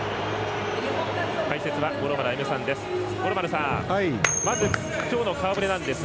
解説は五郎丸歩さんです。